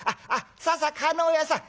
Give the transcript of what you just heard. さあさあ叶屋さん